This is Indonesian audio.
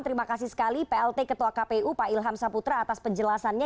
terima kasih sekali plt ketua kpu pak ilham saputra atas penjelasannya